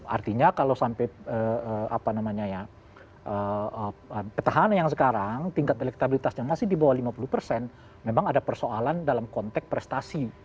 artinya kalau sampai petahana yang sekarang tingkat elektabilitasnya masih di bawah lima puluh persen memang ada persoalan dalam konteks prestasi